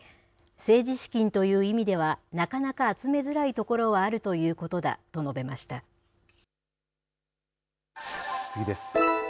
政治資金という意味ではなかなか集めづらいところはあるというこ次です。